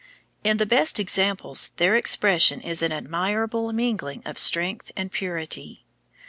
In the best examples their expression is an admirable mingling of strength and purity.